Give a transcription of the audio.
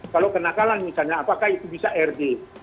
kalau kenakalan misalnya apakah itu bisa rd